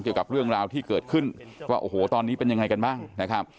ไว้กับเรื่องราวที่เกิดขึ้นว่าโอ้ตอนนี้เป็นยังไงกันบ้างนะ